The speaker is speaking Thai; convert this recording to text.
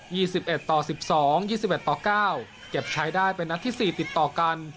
ี่สิบเอ็ดต่อสิบสองยี่สิบเอ็ดต่อเก้าเก็บใช้ได้เป็นนัดที่สี่ติดต่อกัน